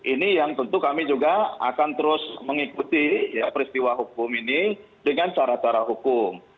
ini yang tentu kami juga akan terus mengikuti peristiwa hukum ini dengan cara cara hukum